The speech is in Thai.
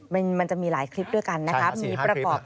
มันจะมีหลายคลิปด้วยกันนะครับ